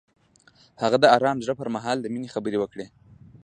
هغه د آرام زړه پر مهال د مینې خبرې وکړې.